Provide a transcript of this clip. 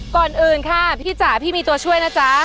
ก่อนอื่นค่ะพี่จ๋าพี่มีตัวช่วยนะจ๊ะ